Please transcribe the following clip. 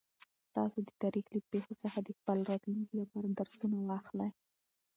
تاسو د تاریخ له پېښو څخه د خپل راتلونکي لپاره درسونه واخلئ.